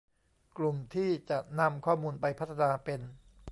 กลุ่มที่จะนำข้อมูลไปพัฒนาเป็น